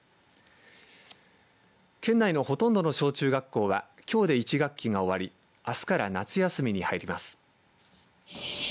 県内のほとんどの小中学校はきょうで１学期が終わりあすから夏休みに入ります。